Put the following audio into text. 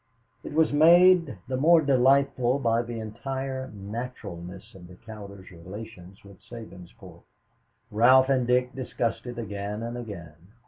It was made the more delightful by the entire naturalness of the Cowders' relations with Sabinsport. Ralph and Dick discussed it again and again.